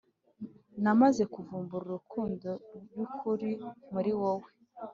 namaze kuvumbura urukundo ry’ukuri muri wowe